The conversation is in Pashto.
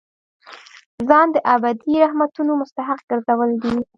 ځان د ابدي رحمتونو مستحق ګرځول دي.